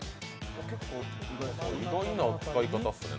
意外な使い方ですね。